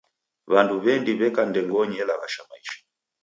W'andu w'endi w'eka ndengonyi elaghasha maisha.